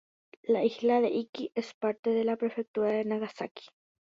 La isla de Iki es parte de la prefectura de Nagasaki.